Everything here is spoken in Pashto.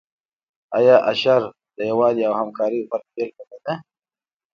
آیا اشر د یووالي او همکارۍ غوره بیلګه نه ده؟